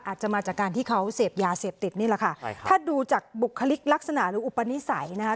อาจจะมาจากการที่เขาเสพยาเสพติดนี่แหละค่ะถ้าดูจากบุคลิกลักษณะหรืออุปนิสัยนะคะ